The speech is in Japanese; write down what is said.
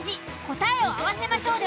答えを合わせましょう！